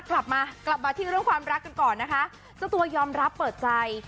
กลับมากลับมาที่เรื่องความรักกันก่อนนะคะเจ้าตัวยอมรับเปิดใจ